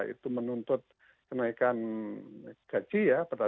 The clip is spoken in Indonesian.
itu menuntut kenaikan gaji ya